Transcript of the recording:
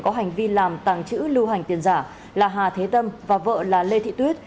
có hành vi làm tàng trữ lưu hành tiền giả là hà thế tâm và vợ là lê thị tuyết